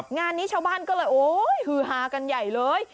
งานนี้ชาวบ้านก็เลยโอ๊ยฮือฮากันใหญ่เลย